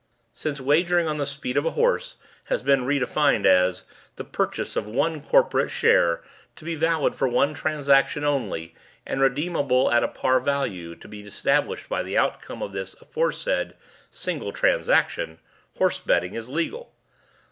"Since wagering on the speed of a horse has been redefined as 'The purchase of one corporate share to be valid for one transaction only and redeemable at a par value to be established by the outcome of this aforesaid single transaction,' horse betting is legal.